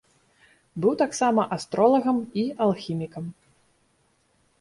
Быў таксама астролагам і алхімікам.